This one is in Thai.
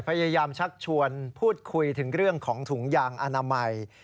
ชักชวนพูดคุยถึงเรื่องของถุงยางอนามัย